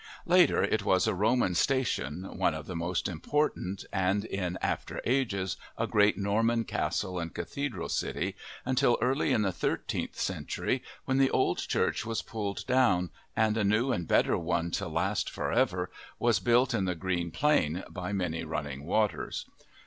Later, it was a Roman station, one of the most important, and in after ages a great Norman castle and cathedral city, until early in the thirteenth century, when the old church was pulled down and a new and better one to last for ever was built in the green plain by many running waters.